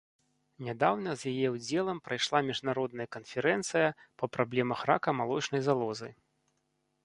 Нядаўна з яе ўдзелам прайшла міжнародная канферэнцыя па праблемах рака малочнай залозы.